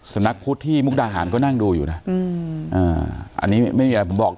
นักพุทธที่มุกดาหารก็นั่งดูอยู่นะอันนี้ไม่มีอะไรผมบอก